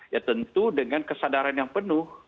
ya tentu dengan kesadaran yang penuh